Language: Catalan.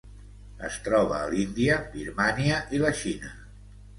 Es troba a l'Índia, Birmània i la Xina.